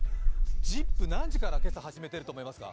「ＺＩＰ」何時から今朝始まったと思いますか？